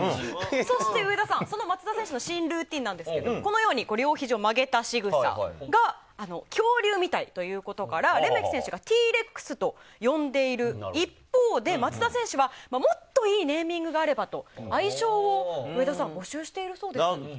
松田選手の新ルーティンなんですけれども、このように肘を曲げた姿が恐竜みたいということで、レメキ選手がＴレックスと呼んでる一方で、松田選手はもっといいネーミングがあればと、上田さん、愛称を募集しているそうです。